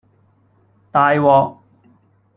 大鑊